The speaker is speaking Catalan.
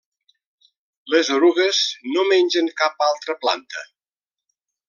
Les erugues no mengen cap altra planta.